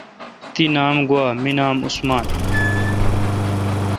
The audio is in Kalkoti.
تی نام گوا می نام عثمان